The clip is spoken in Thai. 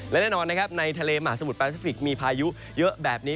และแน่นอนในทะเลหมาสมุทรแปรซิฟิกส์มีพายุเยอะแบบนี้